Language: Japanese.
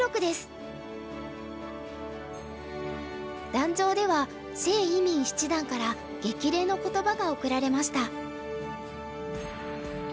壇上では謝依旻七段から激励の言葉が贈られました。